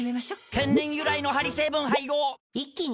天然由来のハリ成分配合一気に！